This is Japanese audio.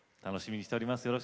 楽しみにしております。